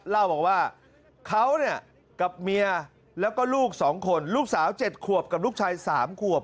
เล่าบอกว่าเขาเนี่ยกับเมียแล้วก็ลูก๒คนลูกสาว๗ขวบกับลูกชาย๓ขวบ